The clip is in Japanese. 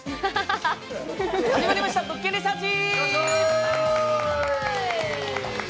始まりました「物件リサーチ」。